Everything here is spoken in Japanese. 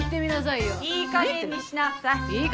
いい加減にしなさい。